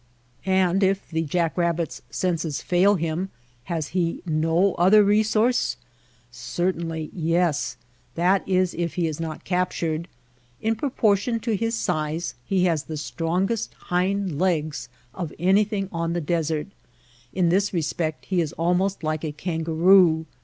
And if the jack rabbif s senses fail him, has he no other resource ? Certainly, yes ; that is if he is not captured. In proportion to his size he has the strongest hind legs of anything on the desert. In this respect he is almost like a kangaroo.